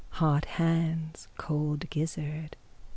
_ Hot hands cold gizzard.